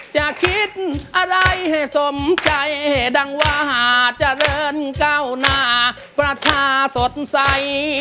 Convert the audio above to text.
จะคิดอะไรให้สมใจดังว่าหาเจริญก้าวหน้าประชาสดใส